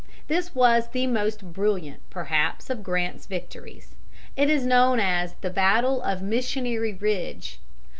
This was the most brilliant, perhaps, of Grant's victories. It is known as the "battle of Missionary Ridge."